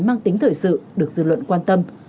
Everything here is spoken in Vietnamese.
mang tính thời sự được dư luận quan tâm